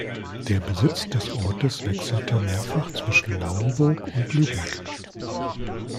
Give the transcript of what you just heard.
Der Besitz des Ortes wechselte mehrfach zwischen Lauenburg und Lübeck.